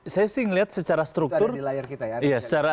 saya sih melihat secara struktur